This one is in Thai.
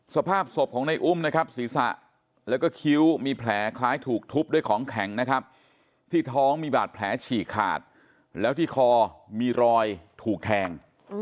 สภาพศพของในอุ้มนะครับศีรษะแล้วก็คิ้วมีแผลคล้ายถูกทุบด้วยของแข็งนะครับที่ท้องมีบาดแผลฉีกขาดแล้วที่คอมีรอยถูกแทง